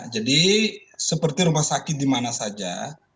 jadi seperti rumah sakit di mana saja